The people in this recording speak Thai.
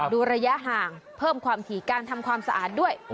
ระยะห่างเพิ่มความถี่การทำความสะอาดด้วย